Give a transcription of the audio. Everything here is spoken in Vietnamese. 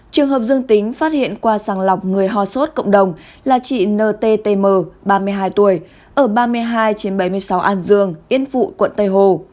trường hợp dương tính phát hiện qua sàng lọc người ho sốt cộng đồng là chị nttm ba mươi hai tuổi ở ba mươi hai trên bảy mươi sáu an dương yên phụ quận tây hồ